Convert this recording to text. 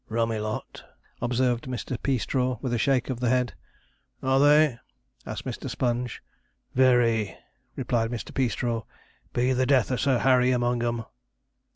'Rummy lot,' observed Mr. Peastraw, with a shake of the head. 'Are they?' asked Mr. Sponge. 'Very!' replied Mr. Peastraw. 'Be the death of Sir Harry among 'em.'